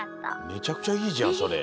めちゃくちゃいいじゃんそれ。